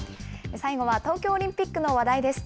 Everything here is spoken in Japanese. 最後は東京オリンピックの話題です。